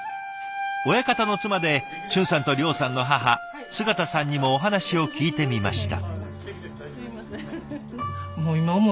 親方の妻で俊さんと諒さんの母姿さんにもお話を聞いてみました。